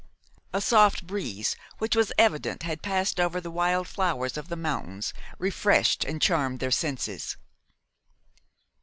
A soft breeze, which it was evident had passed over the wild flowers of the mountains, refreshed and charmed their senses.